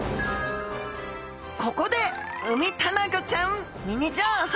ここでウミタナゴちゃんミニ情報！